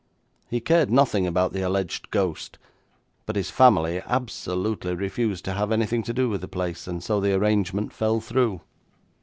He cared nothing about the alleged ghost, but his family absolutely refused to have anything to do with the place, and so the arrangement fell through.'